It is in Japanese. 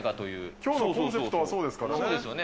きょうのコンセプトはそうですよね。